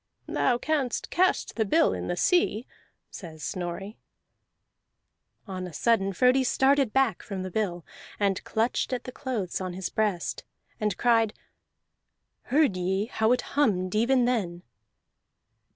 "Thou canst cast the bill in the sea," says Snorri. On a sudden Frodi started back from the bill, and clutched at the clothes on his breast, and cried: "Heard ye how it hummed even then?"